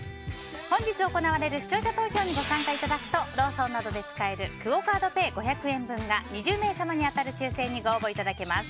本日行われる視聴者投票にご参加いただくとローソンなどで使えるクオ・カードペイ５００円分が２０名様に当たる抽選にご応募いただけます。